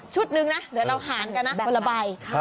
นึงนะเดี๋ยวเราหารกันนะคนละใบ